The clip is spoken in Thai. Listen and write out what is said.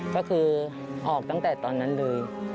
ก็คือออกตั้งแต่ตอนนั้นเลย